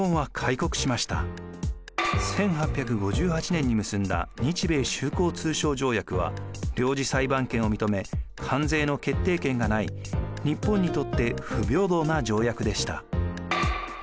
１８５８年に結んだ日米修好通商条約は領事裁判権を認め関税の決定権がない日本にとって不平等な条約でした。